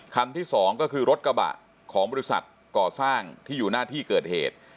คันที่๒ก็คือรถกระบะของบริษัทก่อสร้างที่อยู่หน้าที่เกิดเหตุ